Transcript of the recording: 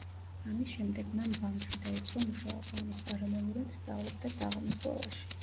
ამის შემდეგ მან ბანკში დაიწყო მუშაობა, ამის პარალელურად სწავლობდა საღამოს სკოლაში.